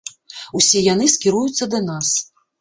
Усе яны скіруюцца да нас.